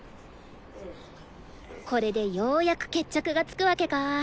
これでようやく決着がつくわけか。